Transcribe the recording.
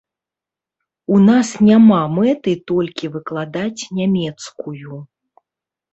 У нас няма мэты толькі выкладаць нямецкую.